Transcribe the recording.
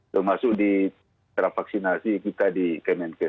termasuk di sentra vaksinasi kita di kmnk